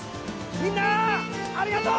みんなありがとう！